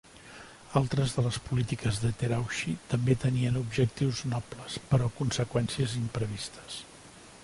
Altres de les polítiques de Terauchi també tenien objectius nobles, però conseqüències imprevistes.